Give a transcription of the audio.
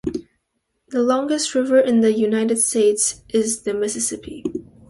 The longest river in the United States is the Mississippi.